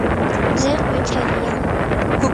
მზე ყვითელია